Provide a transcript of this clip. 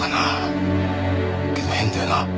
けど変だよな。